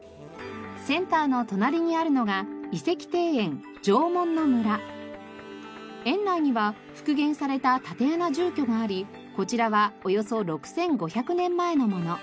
センターの隣にあるのが園内には復元された竪穴住居がありこちらはおよそ６５００年前のもの。